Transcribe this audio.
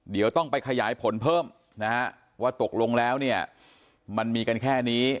เดี๋ยวต้องไปขยายผลเพิ่มนะฮะว่าตกลงแล้วเนี่ยมันมีกันแค่นี้